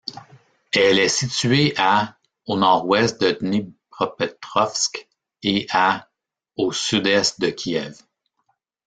Elle est située à au nord-ouest de Dnipropetrovsk et à au sud-est de Kiev.